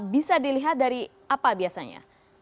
bisa dilihat dari apa biasanya